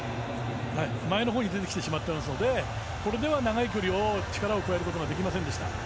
前のほうに出てきてしまってますので長い距離を、力を加えることができませんでした。